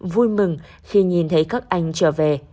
vui mừng khi nhìn thấy các anh trở về